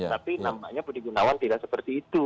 tapi nampaknya budi gunawan tidak seperti itu